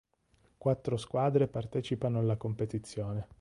Quattro squadre partecipano alla competizione.